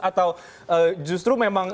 atau justru memang